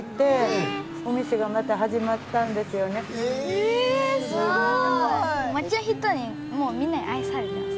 えすごい！